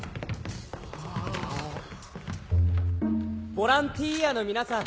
ボランティーアの皆さん